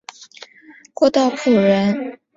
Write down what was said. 郭道甫人。